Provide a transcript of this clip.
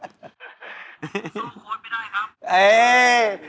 ส่งโค้ดไม่ได้ครับ